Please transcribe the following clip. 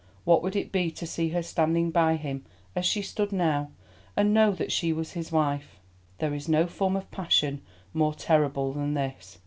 What would it be to see her standing by him as she stood now, and know that she was his wife! There is no form of passion more terrible than this.